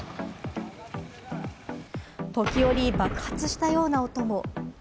時折、爆発したような音も。